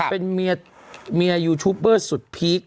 เป็นเมียยูทูปเบอร์สุดพีค